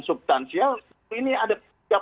substansial ini ada